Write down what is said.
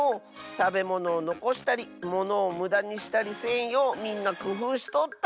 たべものをのこしたりものをむだにしたりせんようみんなくふうしとったんじゃ。